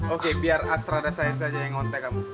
oke biar astrada saya saja yang ngontek kamu